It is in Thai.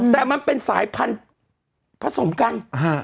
แต่มันเป็นสายพันธุ์ผสมกัน